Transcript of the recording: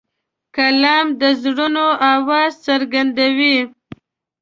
قلم د زړونو آواز څرګندوي